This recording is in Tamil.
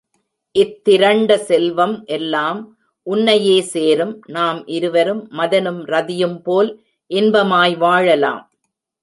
இத்திரண்ட செல்வம் எல்லாம் உன்னையே சேரும் நாம் இருவரும் மதனும் ரதியும்போல் இன்பமாய் வாழலாம்.